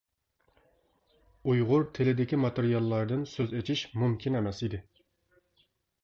ئۇيغۇر تىلىدىكى ماتېرىياللاردىن سۆز ئېچىش مۇمكىن ئەمەس ئىدى.